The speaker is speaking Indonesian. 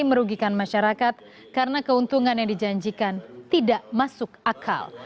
merugikan masyarakat karena keuntungan yang dijanjikan tidak masuk akal